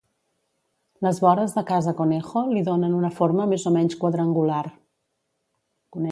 Les vores de Casa Conejo li donen una forma més o menys quadrangular.